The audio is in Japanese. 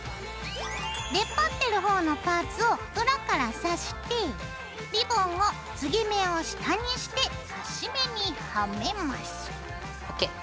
出っ張ってる方のパーツを裏からさしてリボンを継ぎ目を下にしてカシメにはめます。